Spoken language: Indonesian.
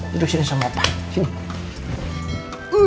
duduk sini sama opa sini